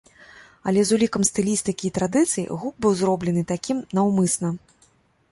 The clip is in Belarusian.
Але, з улікам стылістыкі і традыцый, гук быў зроблены такім наўмысна.